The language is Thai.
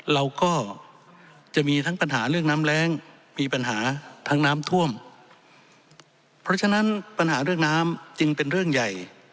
เราก็จะมีทั้งปัญหาเรื่องน้ำแรงมีปัญหาทั้งน้ำท่วมเพราะฉะนั้นปัญหาเรื่องน้ำจึงเป็นเรื่องใหญ่